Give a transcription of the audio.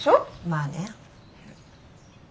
まあね。